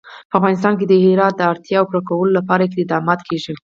په افغانستان کې د هرات د اړتیاوو پوره کولو لپاره اقدامات کېږي.